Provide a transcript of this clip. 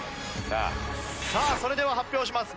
さあそれでは発表します。